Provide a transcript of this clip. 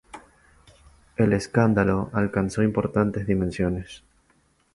El escándalo alcanzó importantes dimensiones.